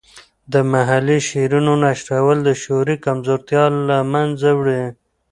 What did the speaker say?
د محلي شعرونو نشرول د شعوري کمزورتیا له منځه وړي.